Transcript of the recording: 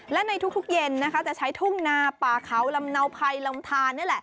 และในทุกเย็นจะใช้ทุ่งนาป่าเขาลำเนาไพลำทาน